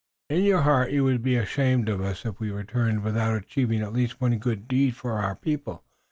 "In your heart you would be ashamed of us if we returned without achieving at least one good deed for our people.